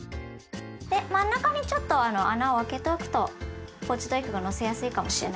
で真ん中にちょっと穴を開けておくとポーチドエッグをのせやすいかもしれないですね。